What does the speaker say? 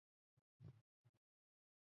自从那事件后